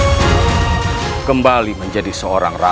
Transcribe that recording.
untuk memulihkan posisi dinda